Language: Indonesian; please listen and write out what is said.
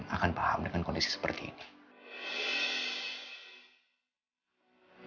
akan paham dengan kondisi seperti ini